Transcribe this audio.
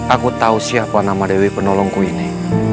aku tahu siapa nama dewi penolongku ini